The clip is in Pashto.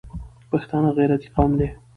پښتانه غیرتي قوم دي